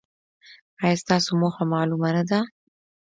ایا ستاسو موخه معلومه نه ده؟